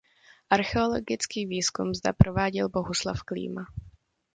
Archeologický výzkum zde prováděl Bohuslav Klíma.